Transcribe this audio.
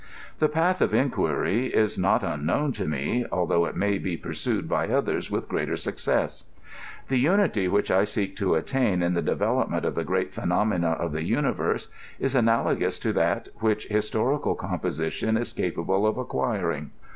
The path of inquiry is not unknown to me, although it may be pursued by others with greater success. The unity which I seek to attain in the development of the great phenomena of the universe is analogous to that which historical composition is capable of acquiring.